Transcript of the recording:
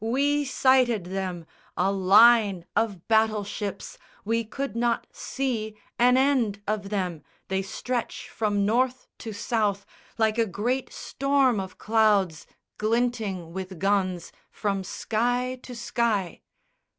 We sighted them A line of battleships! We could not see An end of them. They stretch from north to south Like a great storm of clouds, glinting with guns, From sky to sky!"